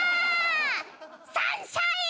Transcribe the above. サンシャイン！